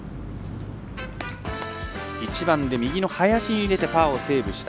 １番で右の林に入れてパーをセーブした。